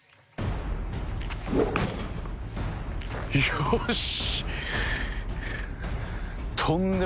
よし。